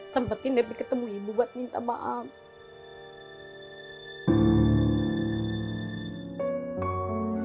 sempatin depi ketemu ibu buat minta maaf